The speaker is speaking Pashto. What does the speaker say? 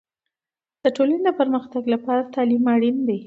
د ټولنې د پرمختګ لپاره تعلیم اړین دی.